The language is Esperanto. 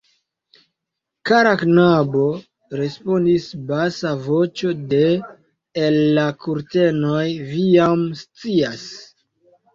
Kara knabo, respondis basa voĉo de el la kurtenoj, vi jam scias.